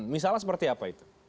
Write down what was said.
misalnya seperti apa itu